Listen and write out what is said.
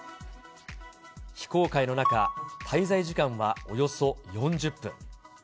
非公開の中、滞在時間はおよそ４０分。